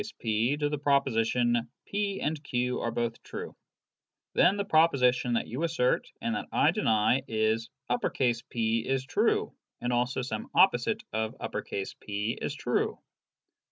give the name P to the proposition ' p and q are both true/ Then the proposition that you assert and that 1 deny is ' P is true, and also some opposite of P is true.'